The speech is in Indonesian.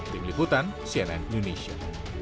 tim liputan cnn indonesia